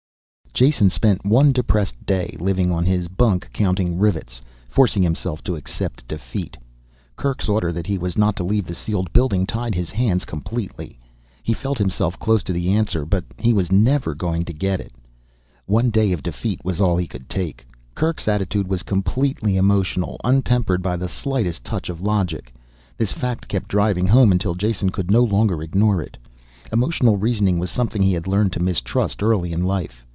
Jason spent one depressed day lying on his bunk counting rivets, forcing himself to accept defeat. Kerk's order that he was not to leave the sealed building tied his hands completely. He felt himself close to the answer but he was never going to get it. One day of defeat was all he could take. Kerk's attitude was completely emotional, untempered by the slightest touch of logic. This fact kept driving home until Jason could no longer ignore it. Emotional reasoning was something he had learned to mistrust early in life.